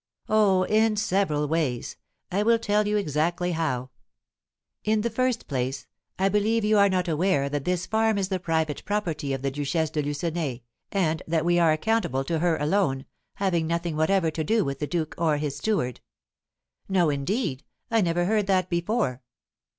"Oh, in several ways! I will tell you exactly how. In the first place, I believe you are not aware that this farm is the private property of the Duchesse de Lucenay, and that we are accountable to her alone, having nothing whatever to do with the duke or his steward." "No, indeed, I never heard that before."